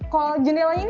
kalau jendelanya ini